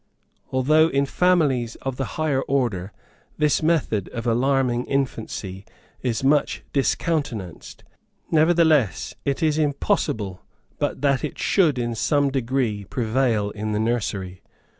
Although in families of the higher order, this method of alarming infancy is much discountenanced, nevertheless, it is impossible but that it should in some degree prevail in the nursery.